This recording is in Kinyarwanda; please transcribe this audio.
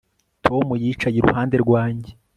Tom yicaye iruhande rwanjye